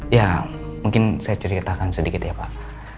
ya mungkin saya ceritakan sedikit ya pak